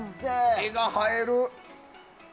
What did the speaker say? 画が映える。